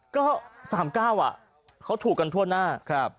ก็๓๙เขาถูกกันทั่วหน้า